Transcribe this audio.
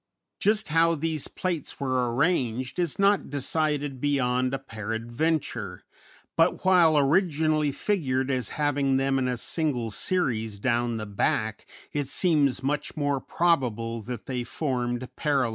Just how these plates were arranged is not decided beyond a peradventure, but while originally figured as having them in a single series down the back it seems much more probable that they formed parallel rows.